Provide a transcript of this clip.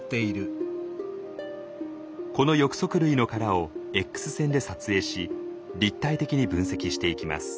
この翼足類の殻をＸ線で撮影し立体的に分析していきます。